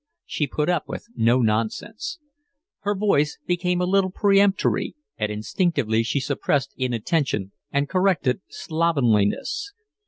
She put up with no nonsense. Her voice became a little peremptory, and instinctively she suppressed inattention and corrected slovenliness.